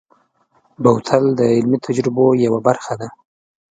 بوتل د علمي تجربو یوه برخه ده.